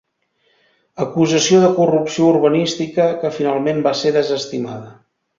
Acusació de corrupció urbanística que finalment va ser desestimada.